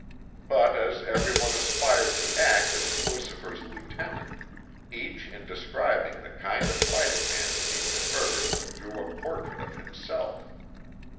But as everyone aspired to act as Lucifer's Lieutenant, each in describing the kind of fighting man to be preferred drew a portrait of himself.